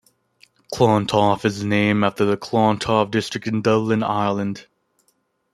Clontarf is named after the Clontarf district in Dublin, Ireland.